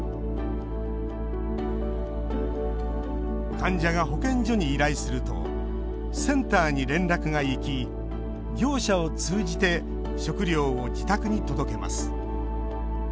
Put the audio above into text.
患者が保健所に依頼するとセンターに連絡がいき業者を通じて食料を自宅に届けます。